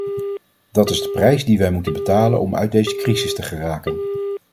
Dat is de prijs die wij moeten betalen om uit deze crisis te geraken.